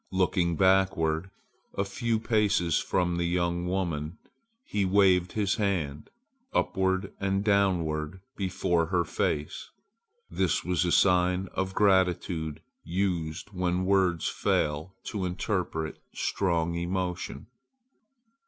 Looking backward, a few paces from the young woman, he waved his hand, upward and downward, before her face. This was a sign of gratitude used when words failed to interpret strong emotion.